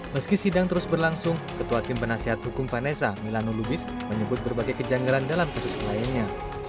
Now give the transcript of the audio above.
meski sidang terus berlangsung ketua tim penasihat hukum vanessa milano lubis menyebut berbagai kejanggalan dalam kasus kliennya